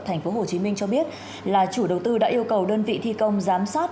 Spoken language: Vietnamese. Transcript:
tp hcm cho biết là chủ đầu tư đã yêu cầu đơn vị thi công giám sát